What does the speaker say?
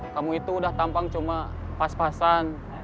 kamu itu udah tampang cuma pas pasan